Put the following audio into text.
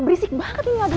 berisik banget ini lagi